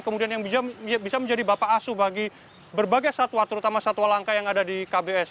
kemudian yang bisa menjadi bapak asu bagi berbagai satwa terutama satwa langka yang ada di kbs